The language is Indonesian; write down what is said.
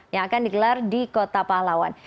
yang akan digelar di kota pahlawan